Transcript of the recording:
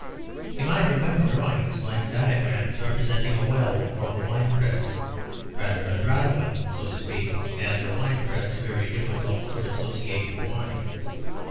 He might remember drawings like diagrams representing a well or a wine press, rather a dry well, so to speak, and a wine press very difficult to associate with wine.